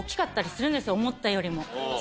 思ったよりも。